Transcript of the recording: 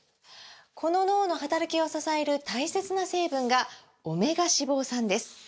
この脳の働きを支える大切な成分が「オメガ脂肪酸」です！